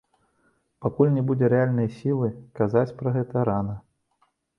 Пакуль не будзе рэальнай сілы, казаць пра гэта рана.